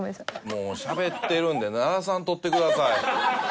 もうしゃべってるんで鳴らさんとってください。